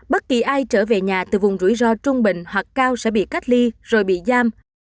bất kỳ ai trở về nhà từ vùng rủi ro trung bình hoặc cao sẽ bị cách ly rồi bị giam